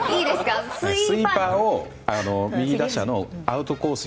スイーパーを右打者のアウトコース